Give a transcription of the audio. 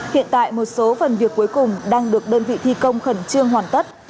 hiện tại một số phần việc cuối cùng đang được đơn vị thi công khẩn trương hoàn tất